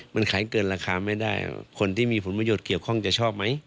มันขายเกินราคาไม่ได้คนที่มีผลประโยชน์เกี่ยวข้องจะชอบไหม